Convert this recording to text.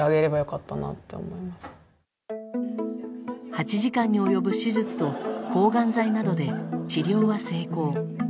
８時間に及ぶ手術と抗がん剤などで治療は成功。